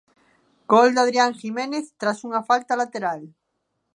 Gol de Adrián Jiménez tras unha falta lateral.